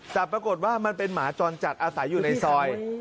แต่ปรากฏว่ามันเป็นหมาจรจัดอาศัยอยู่ในซอย